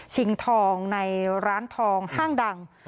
ชิงทองในร้านทองห้างดัง